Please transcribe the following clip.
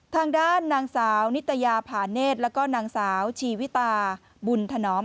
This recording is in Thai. ทางด้านนางสาวนิตยาผาเนธแล้วก็นางสาวชีวิตาบุญถนอม